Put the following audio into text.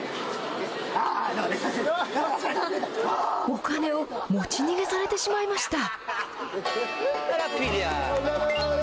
お金を持ち逃げされてしまいました。